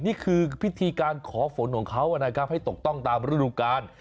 นี่คือพิธีการขอฝนของเขานะครับให้ตกต้องตามฤดูกาล